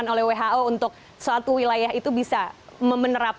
jadi dituntutenya sudah ada program periode topi